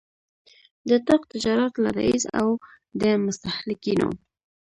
د اطاق تجارت له رئیس او د مستهلکینو